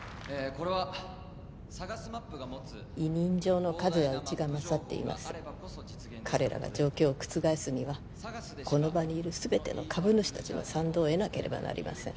これはＳＡＧＡＳマップが持つ委任状の数ではうちが勝っています彼らが状況を覆すにはこの場にいる全ての株主達の賛同を得なければなりません